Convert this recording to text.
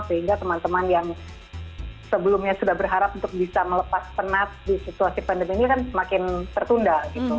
sehingga teman teman yang sebelumnya sudah berharap untuk bisa melepas penat di situasi pandemi ini kan semakin tertunda gitu